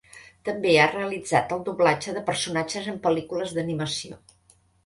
També ha realitzat el doblatge de personatges en pel·lícules d'animació.